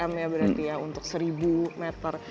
dua m ya berarti ya untuk seribu meter